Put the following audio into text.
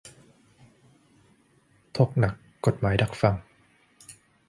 ถกหนัก กฎหมายดักฟัง